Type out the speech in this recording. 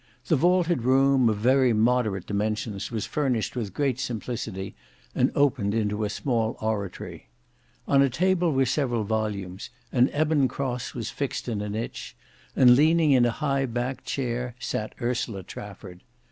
The vaulted room, of very moderate dimensions, was furnished with great simplicity and opened into a small oratory. On a table were several volumes, an ebon cross was fixed in a niche, and leaning in a high backed chair, sate Ursula Trafford.